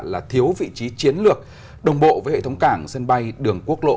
là thiếu vị trí chiến lược đồng bộ với hệ thống cảng sân bay đường quốc lộ